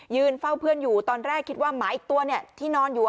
เฝ้าเพื่อนอยู่ตอนแรกคิดว่าหมาอีกตัวที่นอนอยู่